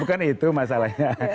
bukan itu masalahnya